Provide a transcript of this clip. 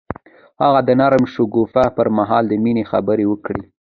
هغه د نرم شګوفه پر مهال د مینې خبرې وکړې.